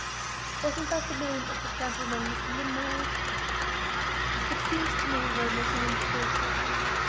"Wasn't that the name of the gentleman Miss Eden married?" "It seems to me you're making a mistake, madam.